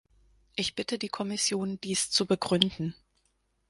Ich bitte die Kommission, dies zu begründen.